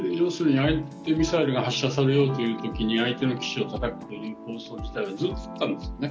相手ミサイルが発射されようというときに、相手の基地をたたくという構想自体はずっとあったんですね。